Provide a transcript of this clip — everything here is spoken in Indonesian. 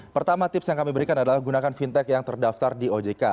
pertama tips yang kami berikan adalah gunakan fintech yang terdaftar di ojk